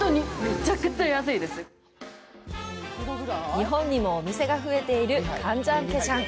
日本にもお店が増えているカンジャンケジャン。